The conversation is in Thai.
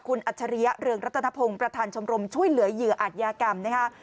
คุณอัจฉริยะเรืองรัตนพงศ์ประธานชมรมช่วยเหลือเหยื่ออาจยากรรมนะคะ